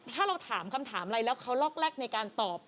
ถ้าเราถามคำถามอะไรแล้วเขาลอกแรกในการตอบ